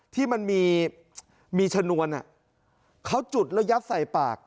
ที่มันมีชนวนเขาจุดแล้วยัดใส่ปาก